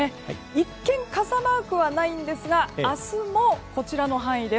一見、傘マークはないんですが明日もこちらの範囲